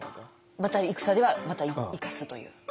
また戦ではまた生かすという。